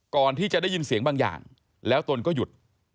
ก่อนที่จะได้ยินเสียงบางอย่างแล้วตนก็หยุด